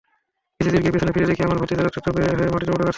কিছুদূর গিয়ে পেছনে ফিরে দেখি, আমার ভাতিজা রক্তাক্ত হয়ে মাটিতে পড়ে কাঁদছে।